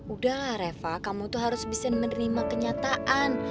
udah lah reva kamu tuh harus bisa menerima kenyataan